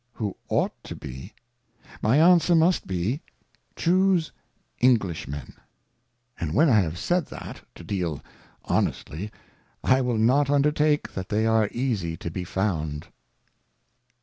Who ought to be, my Answer must be, Chuse Englishmen ; and when I have said that, to deal honestly, I will not undertake that they are ea, sy to be found.